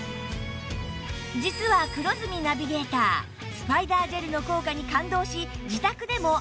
実は黒住ナビゲータースパイダージェルの効果に感動し自宅でも愛用中